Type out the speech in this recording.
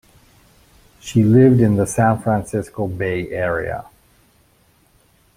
She lived in the San Francisco Bay area.